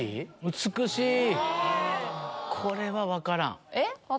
これは分からん。